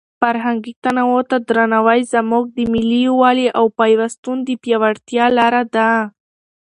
فرهنګي تنوع ته درناوی زموږ د ملي یووالي او پیوستون د پیاوړتیا لاره ده.